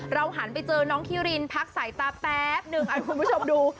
หันไปเจอน้องคิรินพักสายตาแป๊บนึงคุณผู้ชมดู